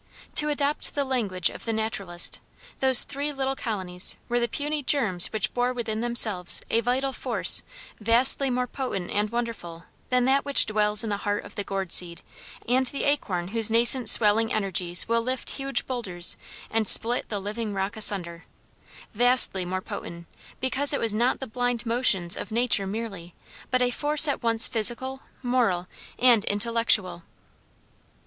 To adopt the language of the naturalist, those three little colonies were the puny germs which bore within themselves a vital force vastly more potent and wonderful than that which dwells in the heart of the gourd seed, and the acorn whose nascent swelling energies will lift huge boulders and split the living rock asunder: vastly more potent because it was not the blind motions of nature merely, but a force at once physical, moral, and intellectual.